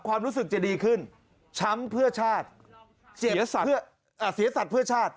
ความรู้สึกจะดีขึ้นช้ำเพื่อชาติเสียสัตว์เพื่อชาติ